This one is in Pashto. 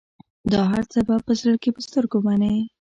دا هرڅه به د زړه په سترګو منې.